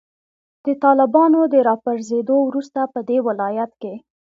د طالبانو د راپرزیدو وروسته پدې ولایت کې